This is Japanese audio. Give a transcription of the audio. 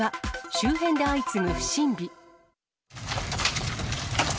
周辺で相次ぐ不審火。